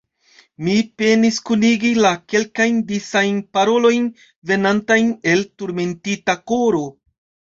Mi penis kunigi la kelkajn disajn parolojn, venantajn el turmentita koro.